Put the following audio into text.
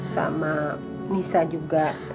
sama nisa juga